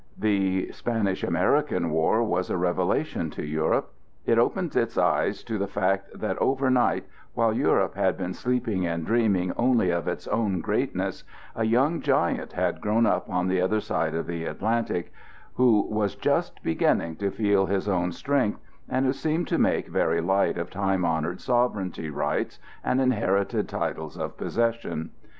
The Spanish American War was a revelation to Europe. It opened its eyes to the fact that over night, while Europe had been sleeping and dreaming only of its own greatness, a young giant had grown up on the other side of the Atlantic who was just beginning to feel his own strength and who seemed to make very light of time honored sovereignty rights and inherited titles of possession.